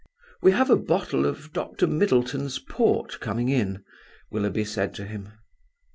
"We have a bottle of Doctor Middleton's port coming in," Willoughby said to him.